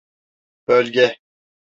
Bölge…